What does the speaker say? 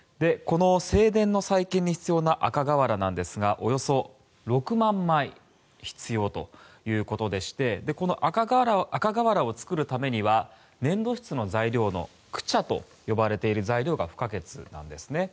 正殿の再建に必要な赤瓦ですがおよそ６万枚必要ということでこの赤瓦を作るためには粘土質の材料のクチャと呼ばれている材料が不可欠なんです。